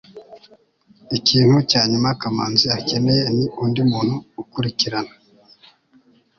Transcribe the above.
ikintu cya nyuma kamanzi akeneye ni undi muntu ukurikirana